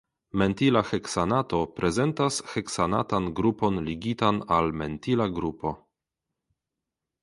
Mentila heksanato prezentas heksanatan grupon ligitan al mentila grupo.